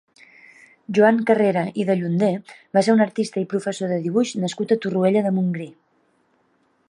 Joan Carrera i Dellunder va ser un artista i professor de dibuix nascut a Torroella de Montgrí.